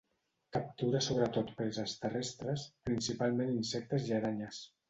Captura sobretot preses terrestres, principalment insectes i aranyes.